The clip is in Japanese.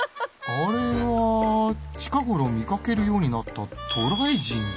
あれは近頃見かけるようになった渡来人だな。